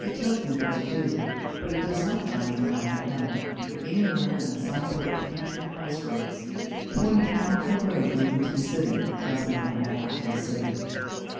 It tells me what to do, but it does not tell me when I have done it, any more than the sign board at the country cross roads, pointing out the road leading to the city, tells me when I have got to the city.